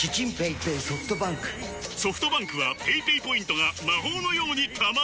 ソフトバンクはペイペイポイントが魔法のように貯まる！